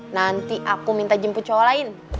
nanti aku minta jemput cowok lain